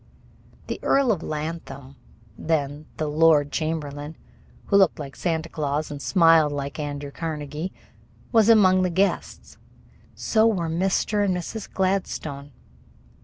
The Earl of Lathom, then the Lord Chamberlain, who looked like Santa Claus and smiled like Andrew Carnegie, was among the guests; so were Mr. and Mrs. Gladstone.